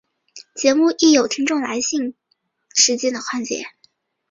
节目亦有听众来信时间的环节。